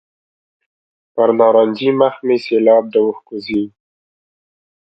پر نارنجي مخ مې سېلاب د اوښکو ځي.